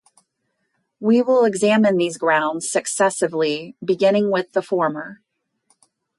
We will examine these grounds successively, beginning with the former.